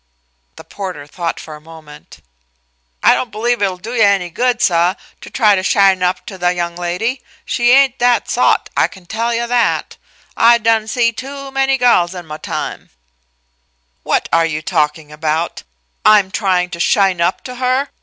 The porter thought a moment. "I don' believe it'll do yuh any good, suh, to try to shine up to tha' young lady. She ain' the sawt, I can tell yuh that. I done see too many guhls in ma time " "What are you talking about? I'm not trying to shine up to her.